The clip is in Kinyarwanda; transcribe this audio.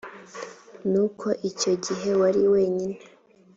n uko icyo gihe wari wenyine